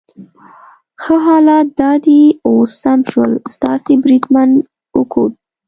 ښه، حالات دا دي اوس سم شول، ستاسي بریدمن مې وکوت.